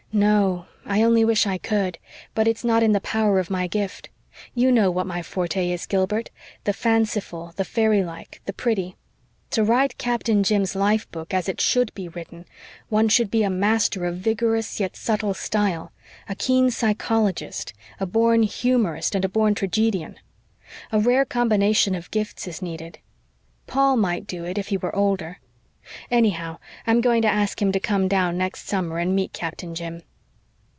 "No. I only wish I could. But it's not in the power of my gift. You know what my forte is, Gilbert the fanciful, the fairylike, the pretty. To write Captain Jim's life book as it should be written one should be a master of vigorous yet subtle style, a keen psychologist, a born humorist and a born tragedian. A rare combination of gifts is needed. Paul might do it if he were older. Anyhow, I'm going to ask him to come down next summer and meet Captain Jim."